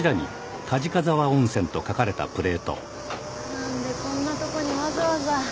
何でこんなとこにわざわざ。